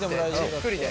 じっくりで。